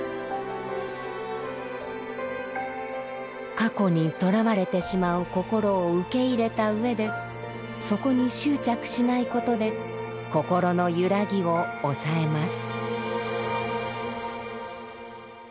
過去にとらわれてしまう心を受け入れたうえでそこに執着しないことで心の揺らぎを抑えます。